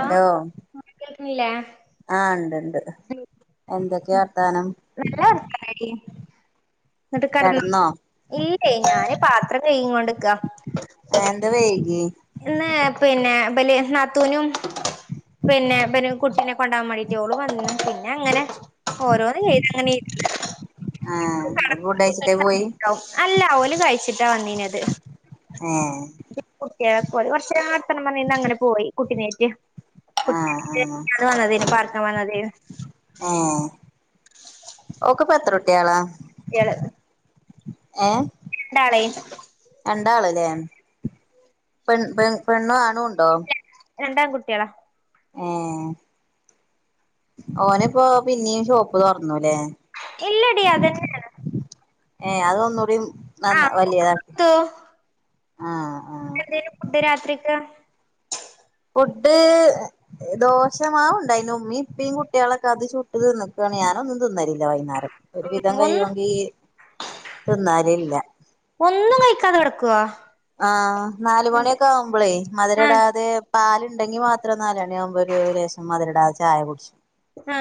Hello കേൾക്കുന്നില്ലേ ആ ഉണ്ട്ണ്ട് എന്തൊക്കെയാ വർഥാനം എന്നിട്ട കടന്നോ ഇല്ലേ ഞാന് പാത്രം കഴികികൊണ്ട്ക്കാ ആ എന്താ വൈകി ഇന്ന് പിന്നെ ബല് നാത്തൂനും പിന്നെ ബ്നും കുട്ടിനെ കൊണ്ടാകൻ മാണ്ടീട്ട് വന്നു പിന്നെ അങ്ങനെ ഓരോന്ന് ചെയ്ത് അങ്ങനെ ആഹ് ഇരുന്ന് ഓള് ഫുഡ് കഴിച്ചിട്ടേ പോയി അല്ല ഓലും കഴിച്ചിട്ടാ വന്നീനത് ഏ ഓല് കുറച്ചേ നടത്തണം പറഞ്ഞന്ന് അങ്ങനെ പോയി കുട്ടിനേറ്റ് കുട്ടി ആഹ് ആഹ് വന്നതെ പറർക്കാൻ വന്നതോയ്നു ഒക്കെ ഇപ്പം എത്ര കുട്ടിളാ കുട്ടിആള് ഏ ഒരാളയ് രണ്ടാള്ല്ലേ പെൺ പെ പെണ്ണും ആണുംഉണ്ടോ രണ്ട് ആൺകുട്ടിളാ ഏ ഓനി ഇപ്പോ പിന്നേും ഷോപ്പ് തുറന്നുല്ലേ ഇല്ലടിയ അതന്നെ ആണ് ഏ അതൊന്നുടി നന്ന വലിയതാ ത്തു ആ എന്തേലും ഫുഡ് രാത്രിക്ക് ഫുഡ് ദോഷമാവ ഉണ്ടായിന് ഉമ്മയും ഇ പ്പിം കുട്ടികളൊക്കെ അത് ചുട്ട് തിന്നക്കുകയാണ് ഞാന് ഒന്നും തിന്നലില്ല വൈകുന്നേരം ഒരു വിധം ഒന്ന് കഴിയുമെങ്കിൽ ഒന്നും കഴിക്കാതെ കിടക്കോ ആ നാല് മണിയൊക്കെ ആവുമ്പോളെ മധുര ആഹ് ഇടാതെ പാലുണ്ടെങ്കി മാത്ര എത്ര നാലണിയ ആവുമ്പോ ഒരു രേശം മധുര ഇടാതെ ചായ കുടിച്ചു ആ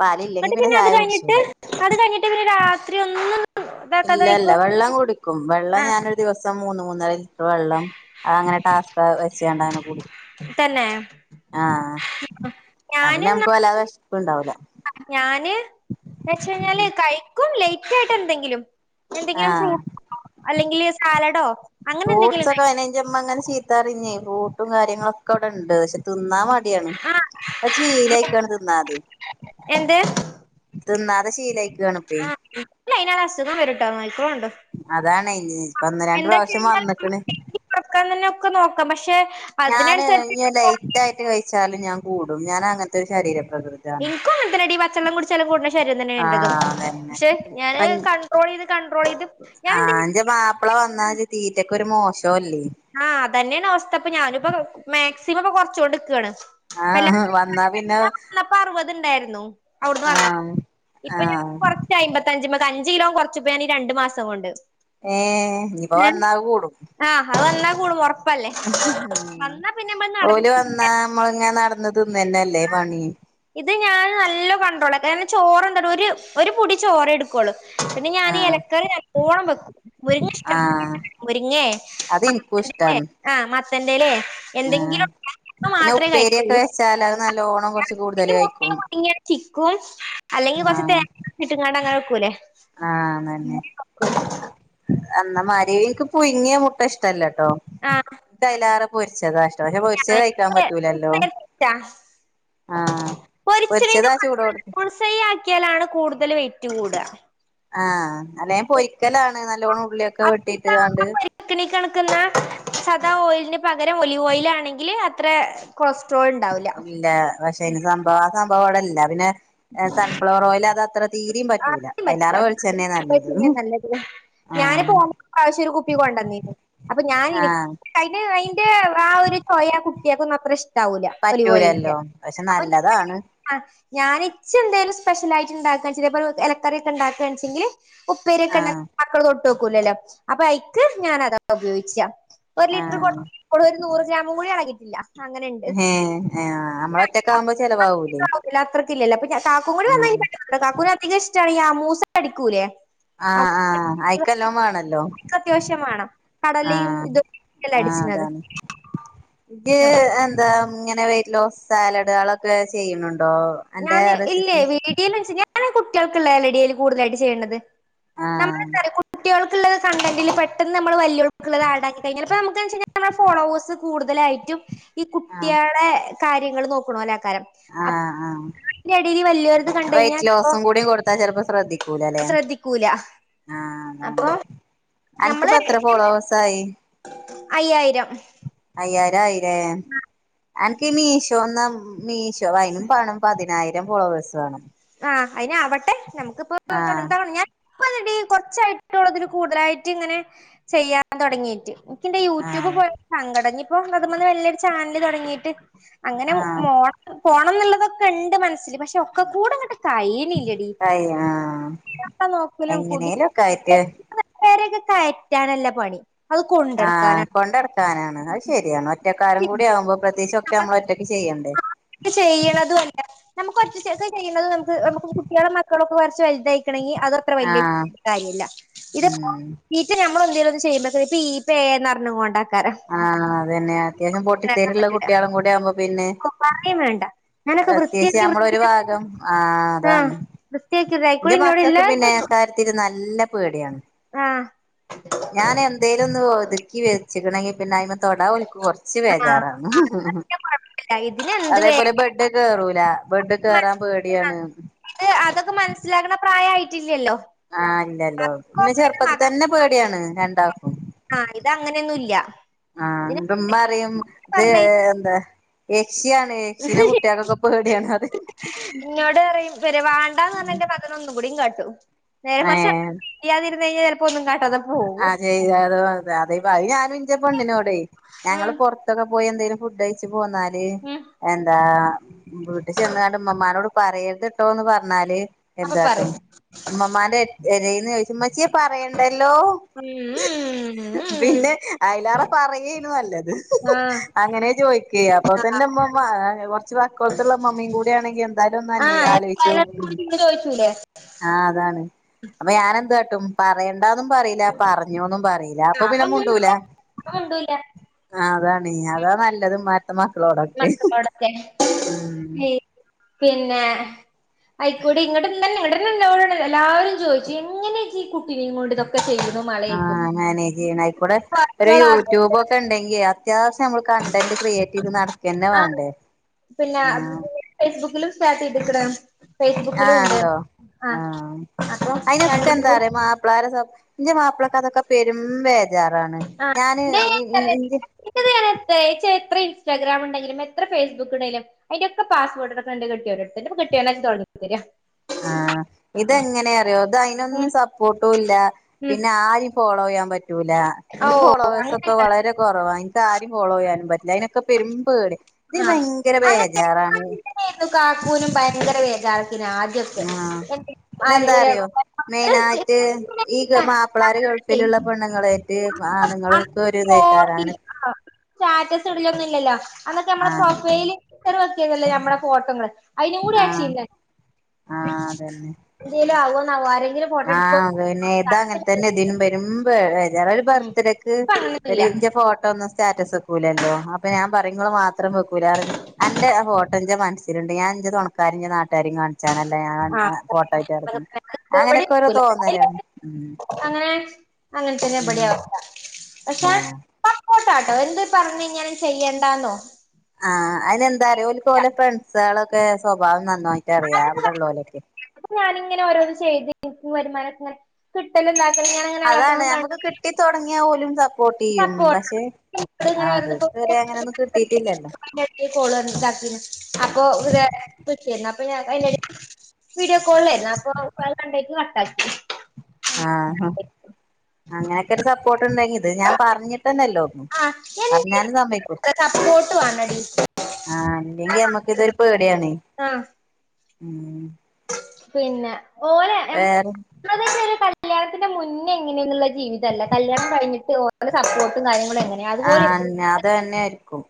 പാലില്ലെങ്കി എന്നിട്ട് പിന്നെ അത് ചായ കഴിഞ്ഞിട്ട് കുടിച്ചൂല അത് കഴിഞ്ഞിട്ട് പിനെ രാത്രി ഒന്നും ഇതാക്കാതെ ഇല്ല ഇല്ല കഴിക്കും വെള്ളം കുടിക്കും വെള്ളം ആഹ് ഞാനൊരു ദിവസം മൂന്ന് മൂന്നര ലിറ്റർ വെള്ളം അത അങ്ങനെ ടാസ്ക് വെച്ചണ്ടന കൂടിക്കും തന്നെ ആ ഇനാ പിന്നെ ഞാനിന്നാ നമുക്ക് വല്ലാതെ വെഷപ്പ് ഉണ്ടാവൂല ഞാന് എന്ന വെച്ച്കഴിഞ്ഞാല് ഉം കഴിക്കും ലേറ്റ് ആയിട്ട് എന്തെങ്കിലും എന്തെങ്കിലും ആഹ് ഫ്രൂട്ടോ അല്ലെങ്കില് സാല്ഡോ ഫ്രൂട്ട്സ് ഒക്കെ അയിന്റെമ്മ അങ്ങനെ ചീത്താ അറിഞ്ഞേ ഫ്രൂട്ടും കാര്യങ്ങളും ഒക്കെ ഇവിടെ ഉണ്ട് പക്ഷെ തിന്നാൻ ആഹ് വേ ശീലായിക്കാണ് തിന്നാതി എന്ത് തിന്നാതെ ശീലായി ആ അതിനട് അസുഖം വരട്ടോന്ന് അതാണ് ഇപ്പ ഒന്ന് [inaudible] രണ്ട് പ്രാവശ്യം എന്താച്ചഴിഞ്ഞാൽ [inaudible] വന്നക്കണ് തന്നെ ഒക്കെ നോക്കാം പക്ഷെ അ ഞാന് ഇ ലൈറ്റ് ആയിട്ട് കഴിച്ചാലും ഞാൻ കൂടും ഞാൻ അങ്ങനത്തെരു ശരീരം എനിക്കും അങ്ങനത്തെന്നടി ഈ പച്ചെള്ളം കുടിച്ചാലും കൂടണ ശരീരം തന്നെ ഇന്റെതും ആഹ് അതന്നെ പക്ഷെ ഞാന് അയ്ന് കണ്ടട്രോൾ ചെയ്ത് കണ്ട്രോൾ ചെയ്ത് ഞാൻ എന്ത ആന്റെ മാപ്പിള വന്നാ തീറ്റക്കെ ഒരു മോശം ആഹ് അത്തന്നെയാണ് അവസ്ഥ അപ്പൊ ഞാനിപ്പ മാക്സിമം ഇപ്പൊ കുറച്ചുകൊണ്ട്ക്കാണ് ഇപ്പ ആഹ് എല്ലാരും വന്നാ പിന്നെ വല്ലപ്പോ അറുപത് ഇണ്ടായിരുന്നു അവിടുന്ന് പറ ആഹ് ഇപ്പൊ ഞാൻ ആഹ് കുറച്ച് അയ്മ്പത്തഞ്ച അഞ്ച കിലോം കുറച്ച പോ ഞാൻ രണ്ടു മാസം കൊണ്ട് ഏ ഇപ്പ വന്നാ കൂടും ആഹ് അത് വന്നാ കൂട ഉറപ്പല്ലേ ഉം വന്നാ പിന്നെമ്മ ഓല് നടന്ന വന്നാ നമ്മളിങ്ങനെ നടന്ന് തിന്നന്നല്ലേ ആ പണി ഇത് ഞാൻ നല്ല കൺട്രോളാം കാരണം ചോറ് എന്താ ഒരു ഒരു പൊടി ചോറ് എടുക്കുള്ളൂ പിന്നെ ഞാൻഈ ആഹ് ഇലക്കറി എല്ലപ്പോണം വെക്കും മുരിങ്ങ ഇഷ്ടം ആഹ് മുരിങ്ങേ ആ മത്തന്റലേ ആ പിന്നെ ഉപ്പേരിയൊക്കെ കഴിക്കുള്ളൂ വെച്ചാൽ അത് നല്ലോണം കുറച്ച് കൂടുതല് ഈ മുട്ട കഴിക്കും മുരിങ്ങ ചിക്കും അല്ലെങ്കിൽ കൊറച്ച ആഹ് തേങ്ങ ചെരണ്ടിട്ടാണ്ട് അങ്ങനെക്കൂലേ ആഹ് ഉം അന്നമാതിരി എനിക്ക് പുഴുങ്ങിയ മുട്ട ഇഷ്ടല്ലട്ടോ ആഹ് കൈലാറെ പൊരിച്ചതാഷ്ട പ പക്ഷെ പൊരിച്ച കഴിക്കാൻ പറ്റൂലല്ലോ ആഹ് പൊരിച്ച പൊരിച്ചതാ ചൂടോട്ക്കെ [inaudible] ആക്കിയാലാണ് കൂടുതൽ ചൂട ആഹ അല്ല ഞൻ പൊരിക്കലാണ് നല്ലോണ്ണം ഉള്ളിയൊക്കെ വെട്ടിട്ട് ആണ്ട് ന്നാ സാദാ ഓയൽന് പകരം ഒലിവ് ഓയലാ ആണെങ്കിൽ അത്ര ഉണ്ടാവില്ല ഇല്ല പക്ഷെ അന് സംഭവം ആ സംഭവം അവിടെ ഇല്ല പിന്നെ സൺഫ്ലവർ ഓയിൽ അത് അത്ര തീരിം പറ്റൂല ആദ്യം പറ്റില്ല. അയ്ലേറെ വെളിച്ചണ്ണ നല്ലത് വെക്കുന്നയാ നല്ലത്. ആഹ് ഞാനിപ്പോ ഓ പ്രാവശ്യ ഒരു കുപ്പി കൊണ്ടന്നിരുന്നു അപ്പൊ ഞാൻ ഇനി ആഹ് അതിന് അതിന്റെ ആ ഒരു ചോയാ ആ കുട്ട്യേക്കൊന്നും അത്ര ഇഷ്ടം ല പറ്റൂലല്ലോ ഒലിവോയൽന്റെ [inaudible] പക്ഷെ നല്ലതാണ് ഞാൻ ഇച്ച് എന്തേലും സ്പെഷ്യലായിട്ട് ഉണ്ടാകാ ചെയത ഇലക്കറിയൊക്കെണ്ടാകണെച്ചെങ്കിൽ ഉപ്പേരി ഒക്കെണ്ട ആഹ് മക്കള തൊട്ട് ഓക്കൂലല്ലോ അപ്പൊ അയ്ക്ക് ഞാാന അതാ ഉപയോഗിച്ച ഒരു ലിറ്റർ ആഹ് കൂടെ ഒരു നൂറ് ഗ്രാമും കൂടി എളകിയിട്ടില്ല അങ്ങനെണ്ട് ഏഹ് ആഹ് നമ്മളൊറ്റക്കാവുമ്പോ ചെലവാവൂലേ [inaudible] ഇല്ലല്ല ആ അപ്പ കാക്കും കൂടി ആഹ് വന്ന [inaudible] കാക്കൂന അധികം ഇഷ്ട മൂസ അടിക്കൂലേ ആഹ ആഹ് അമൂസ ആയിക്കല്ലോ വേണല്ലോ അത്യാവശ്യം വേണം കടലയും ആഹ ഇതൊക്കെല്ല ആ അടിച്ചത് അതാണ് ഇ എന്താ ഇങ്ങനെ വെയി ലോ സാലഡ്കളൊക്കെ ചെയ്യുന്നുണ്ട് ഞാൻ ഇല്ലേ വീട്ട [unintelligible] കുട്ടികൾക്കുള്ളല്ലടിയൽ കൂടുതലായിട്ട് ചെയ്യേണ്ടത് നമ്മള ആഹ് കുട്ടികൾ ള്ള കണ്ടന്റ പെട്ടന്ന് നമ്മ [unintelligible] ക്കുള്ളത് ആ ടാക്കി കഴിഞ്ഞാൽ പ്പം നമു ക്കെന്തെച്ചെയ്ഞ്ഞാൽ നമ്മള ഫോളോേഴ്സ് കൂടുതലായിട്ടും ഈ ആഹ് കുട്ട്യേളെ കാര്യങ്ങൾ നോക്കണോലെയ്ക്കാരം അ അതിന്റെടിയിൽ വലിയൊരു വെറ്റ് ലോസും കൂടും കൊടുത്താ ചെിലപ്പോ ശ്രദ്ധിക്കൂല അല്ലെ ശ്രദ്ധിക്കൂല ആഹ അതാണ് അപ്പൊ അനക്ക് ഞമ്മള് പെത്ര ഫോളോവേസായി അയ്യായിരം കയ്യാനായിലേ അൻക്ക് മീശോ മീശോ അയിനും പണം തിനായിരം ഫോളോവേയ്സ് വേണം ആഹ് അയിന് ആവട്ടെ നമുക്കിപ്പോ ആഹ് തുടങ്ങ തണ ഞാൻ ഇപ്പല്ലടി കുറച്ചായിട്ടുള്ളു അതില് കൂടുതലായിട്ട് ഇങ്ങനെ ചെയ്യാൻ തുടങ്ങീട്ട് എനിക്കെന്റെ യൂ ട്യൂബ് ആഹ് പോയപ്പോ സങ്കടം ഇനീപ്പോ [unintelligible] വന്ന് വല്യോരു ചാനല് തുടങ്ങിയിട്ട് അങ്ങനെ ആഹ് മൊ പോണം എന്നുള്ളതൊക്കെ ഉണ്ട് മനസ്സിൽ പക്ഷെ ഒക്കെ കൂടെ അങ്ങനെ കഴിയണില്ലടി കയി ആഹ് [unintelligible] [unintelligible] എങ്ങനേലൊക്കെ ആയിട്ട് കയറ്റാനല്ല പണി അത് ആഹ് കൊണ്ടടക്കാനാണ് കൊണ്ടടക്കാനാണ് അത് ശെരിയാണ് ഒറ്റക്കാരും കൂടി ആവുമ്പോ പ്രത്യേകിച്ചു ഒക്കെ നമ്മൾ ഒറ്റ ആ ചെയ്യണതും അല്ല നമുക്ക് ഒറ്റ ചെ ചെയ്യണത് നമുക്ക് നമുക്ക് കുട്ടികളെ ട്ടികളൊക്കെ കൊറച്ചു വൽതായിക്കണെങ്കി അതും അത്ര വല്യ ആഹ് കാര്യല്ല ഇതിപ്പോ ഉം [unintelligible] ട്ടികള് അത് ചെയ്യുമ്പത്തേക്ക് [unintelligible] എന്നു പറഞ്ഞു പോകണ്ട ആഹ് അതന്നെ അത്യാവശ്യം പൊട്ടി ഇണ്ടാക്കാൻ തരം ഉള്ള പറ്റൂല കുട്ടികളും കൂടെ ആവുമ്പോ പറയും വേണ്ട ഞാനൊക്കെ പ്രത്യേകിച്ച് വൃത്തിയക്ക നമ്മളൊരു വൃത്തിയാക്കി ഭാഗം ആഹ് അതാണ് വൃത്തി എന്റെ മക്കക്ക് പിന്നെ കാര്ത്തിരുന്നാലു നല്ല പേടിയാണ് ആഹ് ഞാൻ എന്തേലും ഒന്ന് ഒതുക്കി വെ ച്ചിക്കണങ്കി പിന്നെ അയിൻ മേൽ തൊടാൻ ഓൽക്ക് കുറച്ച് ആഹ് ബേജാറാണ് കുഴപ്പമില്ല ഇതിനെന്ത് വേ അതേപോലെ ബെഡ് കേറൂല ബെഡ് കേറാൻ പേടിയാണ് ഇത് അതൊക്കെ മനസ്സിലാക്കണ പ്രായമായിട്ടില്ലല്ലോ ആഹ് ഇല്ലല്ലോ ഇന്നെ ചെറുപ്പത്തിൽ തന്നെ പേടിയാണ് രണ്ടാ ആഹ് ഇത് അങ്ങനെയൊന്നും ഇല്ല ആ ഇതിന് ഉമ്മറിയും ഇത് പറഞ്ഞ എന്താ യെക്ഷി ആണ് യെക്ഷിനെ കുട്ടികക്കൊക്കെ പേടിയാണ് അത് ഇന്നോട് പറയും ഇവര് വേണ്ടാന്ന് പറഞ്ഞ എന്റെ [unintelligible] നേരെ മറിച്ചു ഏഹ് അടുത്തത് ഫിൽ ചെയ്യാതെ ഇരുന്നു കഴിഞ്ഞാൽ ചിലപ്പോന്നും കാട്ടാതെ പോകും അതെ [unintelligible] അത് ഞാനും എന്റെ പെണ്ണിനോടെ ഞങ്ങള് ഉം പുറത്തൊക്കെ പോയി എന്തേലും ഫുഡ് കഴിച്ച് പോന്നാല് ഉം എന്താ വീട്ടി ചെന്നാണ്ട് ഉമ്മമാനോട് പറയരുത്ട്ടോന്ന് പറഞ്ഞാല് അപ്പൊ എന്താട്ടും പറയും ഉമ്മമാന്റെ എരേന്ന് ചോദിച് ഉമ്മച്ചിയെ പറയണ്ടല്ലോ ഉം ഉം ഉം പിന്നെ അയലേറെ പറയേം അങ്ങനെ ചോദിക്കേം അപ്പൊ തന്നെ ഉമ്മമ്മ കൊറച്ച് വാക്കോളത്തുള്ള ഉമ്മമ്മയും കൂടെ ആണെങ്കി എന്തായാലും ഒന്ന് ആ അന്വേ ആലോചിച്ചു ആ ചോദിച്ചൂലേ ആ അതാണ് അപ്പൊ ഞാനെന്തു കാ ട്ടും പറയണ്ടാന്നും പറയും പറഞ്ഞൊന്നും പറയില അപ്പൊ ആ പിന്നെ ഒന്നും മുണ്ടൂല മിണ്ട അപ്പൊ മിണ്ടൂല ആ അതാണ് അതാ നല്ലത് ഇമ്മാതിരുത്ത മക്കളോടൊക്കെ മക്കളോടൊക്കെ ഉം ഈ പിന്നെ അയിക്കൂടി ഇങ്ങോട്ട് [unintelligible] എല്ലാവരും ചോദിച്ചു എങ്ങനെ ഈ കുട്ടിനെ ഇങ്ങട് ഇതൊക്കെ ചെയ്തു ആഹ് മാനേജ് ചെയ്യണ അയിക്കൂടെ ഒരു മക്കൾ അത് യൂട്യൂബ് ഒക്കെ ഉണ്ടെങ്കി അ അത്യാവശ്യം നമ്മൾ കണ്ടന്റ് ക്രിയേറ്റ് ചെയ്ത് നടക്കന്നെ ആ വേണ്ടേ പിന്നെ ആഹ് ഫേസ്ബുക്കിലും സ്റ്റാർട്ട് ചെയ്തിക്കണ് ആഹ് ഉണ്ടോ ആഹ് അപ്പൊ അയിനൊക്കെ രണ്ടിലും എന്താ കൂടി പറയാ മാപ്പിളാര സ ന്റെ മാപ്പിളക്ക് അതൊക്കെ പെരും [unintelligible] ആ ഞാന് ഇ ഇ [unintelligible] ഇന്റെ എത്ര ഇൻസ്റ്റഗ്രാം ഉണ്ടെിലും എത്ര ഫേസ്ബുക്ക് ഉണ്ടെിലും അതിന്റെക്ക പാസ്സ് വേർഡ് ടുക്കണ്ട് കെട്ടിയോന്റടുത്ത് [unintelligible] [unintelligible] ആഹ് ഇതെങ്ങനെയ അറിയോ അത് ഉം അതിനൊന്നും സപ്പോർട്ടും ഇല്ല ഉം പിന്നെ ആര് ഫോളോയ്യാ പറ്റൂല എനിക്ക് ഓഹ് ഫോളോവേഴ്സ് ഒക്കെ അങ്ങനെയൊക്കെ വളരെ കുറവാ എനിക്കാരും ഫോളോ ചെയ്യാനും പറ്റ് അതിനൊക്കെ [unintelligible] ആ അങ്ങനെ ബേജാറാണ് [unintelligible] കാക്കൂനും ഭയങ്കര വേജാറ [unintelligible] ആദ്യൊക്കെ അതെന്താ അറിയോ മെയിൻ ആയിട്ട് ഈ ഗ മാപ്പിളാര് ഗൾഫിലുള്ള പെണ്ണങ്ങളായിട്ട് [unintelligible] സ്റ്റാറ്റസ് ഇടലൊ ഒന്നുമല്ലല്ലോ അന്നൊക്കെ നമ്മുടെ ആഹ് പ്രൊഫൈൽറി വെക്കിയതല്ലോ നമ്മുടെ ഫോൾ അതിന് കൂടെ ആഹ് അച്ചല്ല ആഹ് ഇന്തല ആവ ആഹ പിന്നെ താ അങ്ങനെ തന്നെ ഇതിനും വരും വരാറ ഒരു ഉം ബർത്ത്ഡേ ഒക്ക് ഇപ്പ ഒരു അങ്ങനൊന്നുല്ല ഇന്റെ ഫോട്ടോ ഒന്ന സ്റ്റാറ്റസ് വെക്കൂലല്ലോ അപ്പൊ ഞാൻ പറയും മോൾ മാത്രം വെക്കൂല എന്റെറെ ഹോട്ടന്റെ ണ്ട് ഞൻ അഞ്ച് തുണക്കാ നാട്ടാരും കാണിച്ചാനല്ല ആഹ് ഫോട്ടോ ആട്ട്ക്കുന്നു അങ്ങനെ ഇവിടെ എ തോന്നരാണ് ഉ അങ്ങന തന്നെ ബടിയ ആവസ്ഥ ആഹ് പക്ഷ ട്ടാട്ടോ എന്ത് പറഞ്ഞഞ് ഇങ്ങനും ചെയ്യേണ്ടാന്നോ ആഹ് അതിനന്ന്ത ഒരുപോലെ ഫ്രണ്ട്സകൊക്കെ സ്വഭാവം ന നോയിട്ട് അറിയാം അവിടെ ഉള്ള പോലൊക്കെ അപ്പൊ ഞാനിങ്ങനെ ഓരോ ചെയ്തും വരുമാനംനെ കിട്ടല അതാണ് നമുക്ക് കിട്ടി തുടങ്ങിയാൽ പോലും സപ്പോർട്ട് ചെയ്യും സപ്പോർട്ട് പക്ഷെ ആ ഇങ്ങനെ അതവരെ അങ്ങനെയൊന്നും കിട്ടിട്ടില്ലല്ലോ കോളണ്ടാക്കിന്ന് അപ്പൊ ഇത കൃഷിരുന്നു അപ്പൊ ഞാ അറെടി വീഡിയോ കോളിലായിരുന്നു അപ്പൊ രണ്ടേക്ക് കട്ട ആാക്കി ആഹഹ അങ്ങനെയൊക്കെ ഒരു സപ്പോർട്ട്ണ്ടങ്കി അത് ഞാൻ പറഞ്ഞിട്ടന്നല്ലോ ഒന്നും ആ എനിക്ക് പറഞ്ഞും സമ്മക്കൂ സപ്പോർട്ട് വേണടി ആഹ അല്ലെങ്കിൽ നമ്മക്ക് ഇതൊരു പേടിയാണ് ആ ഉ പിന്നെ ഓലെ വേറെ ഒരു കല്യാണത്തിന്റെ മുന്നേ എങ്ങനെയന്നുള്ള ജീവിതമല്ല കല്യാണം കഴിഞ്ഞിട്ട് ഓരോ സപ്പോർട്ടും കാര്യങ്ങള ആന്ന അത് തന്നൊയിയിരിക്കും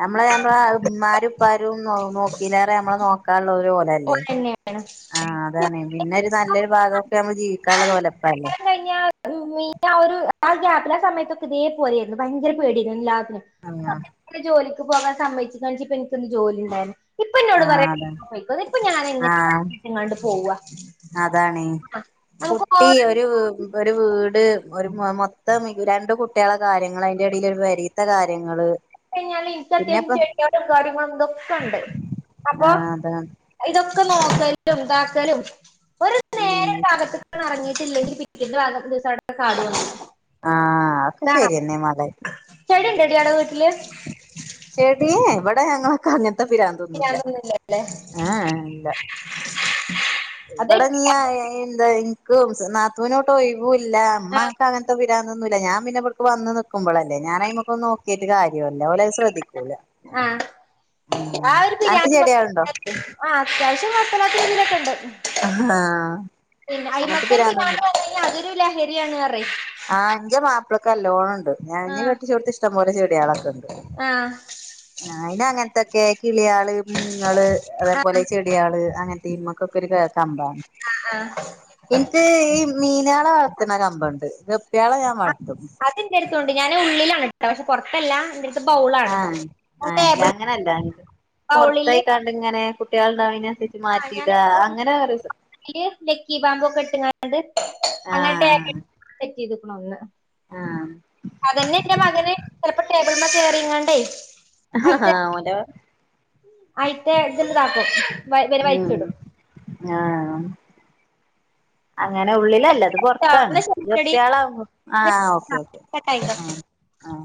നമ്മളെ നമ്മളമാരുപ്പാരും നോക്കില്ലറെ നമ്മളെ നോക്കാുള്ള പോലെല്ലേ ഓലെന്നെയാണ് ആഹ അതാണ് പിന്നെ ഒരു നല്ലൊരു ഭാഗംക്കെ നമ്മ ജീവിക്കാനുള്ളത് പോലെപ്പ അല്ലേ മീയിൻ ആ ഒരു ആ ഗ്യാപ്പിൽ ആ സമയത്തൊക്കെ ഇതേ പോലെയരുന്നു ഭയങ്കര പേടരുന്നു എല്ലാത്തിനും ആ ആഹ് സമയ ജോലി പോകാൻ സമ്മയച്ച്ണിച്ച ഇപ്പ എനിക്കൊ ജോലി ഉണ്ടായി ഇപ്പൊ ന്നോട് പറ ആഹ് അതാണ് അ ഇപ്പൊ ഞാനൻ എങ്ങനെ വീട്ടങ്ങാണ്ട് പോവ അതാാണ് കുട്ടി ഓരോ ഒരു ഒരു വീട് ഒരു മൊ രണ്ടണ്ട് കുട്ടികള കാര്യങ്ങള്ൾ അതിന്റെ ഇടൽ ഒരു വരീത്ത കാര്യങ്ങള് കഴിഞ്ഞാല് എനിക്കത്യം പിന്നെപ്പ ചെട്ടിയര കാര്യങ്ങള എന്തൊക്കെണ്ട് അപ്പൊ ആഹ് അതാണ് ഇതൊക്കെ നോക്കലും ഉണ്ടാക്കലും ഒരു നേര ഉം ഭാഗത്ത് ഇറങ്ങിയിട്ടില്ലെങ്കിൽ പിക്കിന്റെ ഭാം ദിവസ അവി കാടുന്നു ആഹ ഒക്കെ ശരിയെന്നെ മല ചെടി ഉണ്ടടി അവിടെ വീട്ടില് ശടി വടാ അങ്ങക്കണത്ത ഇ പിരാന്തൊന്നുമല്ല പിരാന്തൊന്നുമില്ലല്ലേ ആഹ ഇല്ല അത് ഇവിടെ നീ എന്താ എന നാത്തുവിനോട്ട് ഒഴവൂല്ല ആ അമ്മ്ക്കെ അങ്ങനത്തെ ഞാൻ പിന്നെ ഇടക്ക് വന്ന് നക്കുമ്പോളല്ല ഞാൻ അയ്മക്ക്‌ നോക്കിയിട്ട് കാര്യല്ലാ എന്നല്ല പോലെ ശ്രദ്ധിക്കൂല ആ ഉം ആ ഒരു അനക്ക് ബിരിയാണി ചെടികളുണ്ടോ ആ അത്യാവശ്യം കൊറപ്പലത്ത ഇിലൊക്കെ ഉണ്ട് ആഹ പിന്നെ അഐമക്കൽ പിിനാണ്ടണെങ്കിൽ അതൊരു ലഹരിയാണ് അറേ ഇപ്പോഴക്ക ലോൺണ്ട് ഞ കെട്ടിച്ച കൊടുത്ത് ഇഷ്ടംപലെ ചെടികളൊക്കെ ഉണ്ട് ആ അ അങ്ങനത്തൊക്കെ കിളിയള് മീങ്ങൾ അതേപോലെ ചെടിയാള് അങ്ങനത്തെയ്മക്കൊക്കെ ഒരു കമ്പ ആ ആ എനിക്ക് ഈ മീനാള പന കമ്പ ഉണ്ട്പ്പാളെ ഞാൻ വളം അത് ന്റേഡ്തുണ്ട് ഞാന് ഉള്ളിലാണ് ഇട്ട പക്ഷെ പുറത്തല്ല എ ആഹ ആഹല്ല അങ്ങനെയല്ല പൊറത്തായി ബൗളില് കണ്ട ഇങ്ങനെ കുട്ടികളണ്ടാവന മാറ്റിടാ അങ്ങനെ രു [unintelligible] ല് ലക്കി പാമ്പൊ ക്കെ ഇട്ട് കാണ്ട് കാട്ട് അങ്ങനെ [unintelligible] ആഹ് സെറ്റ് ചെയ്ത്ക്ക്ണത് ആ ഇത് മ്മ കേറി ങ്ങാണ്ടേ ആ ഓന്റെ ആയിത്തെ ഇത് ണ്ട് താക്കും വ വര് ഉം വൽച്ച്ടും ആഹ് അങ്ങനെ ഉള്ളിലല്ല ത് ശരിട്ടോ പൊറത്താണ് ന്നാ ശരിട്ടെടി ഗപ്പി യോളാമ്പം ആ ഓക്കെ ഓക്കെ കട്ടായിക്കോ ആ ആ